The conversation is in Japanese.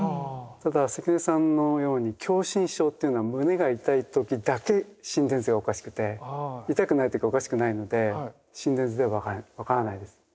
ただ関根さんのように狭心症っていうのは胸が痛い時だけ心電図がおかしくて痛くない時はおかしくないので心電図ではわからないです。